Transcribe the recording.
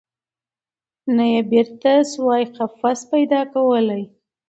نه یې بیرته سوای قفس پیدا کولای